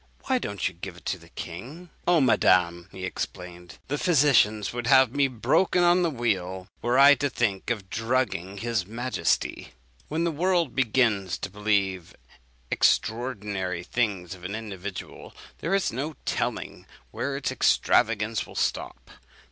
Why don't you give it to the king?' "'Oh, madam,' he exclaimed, 'the physicians would have me broken on the wheel, were I to think of drugging his majesty.'" When the world begins to believe extraordinary things of an individual, there is no telling where its extravagance will stop.